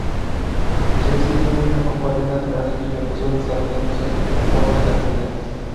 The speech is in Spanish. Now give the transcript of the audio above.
Chelsea tenía una copa D natural y empezó desarrollándose en la cuarta categoría.